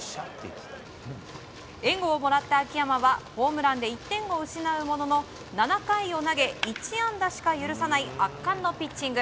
援護をもらった秋山はホームランで１点を失うものの７回を投げ、１安打しか許さない圧巻のピッチング。